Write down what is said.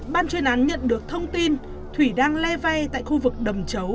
ban chuyên án nhận được thông tin thủy đang le vay tại khu vực đầm chấu